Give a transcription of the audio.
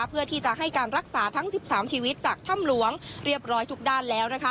เพื่อที่จะให้การรักษาทั้ง๑๓ชีวิตจากถ้ำหลวงเรียบร้อยทุกด้านแล้ว